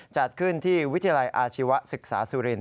จัดขึ้นที่วิทยาลัยอาชีวศึกษาสุรินท